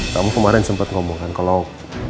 kamu kemarin sempat ngomongkan kalau